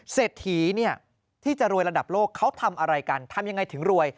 เสถียที่จะรวยระดับโลกเขาทำอะไรกันทำอย่างไรถึงรวย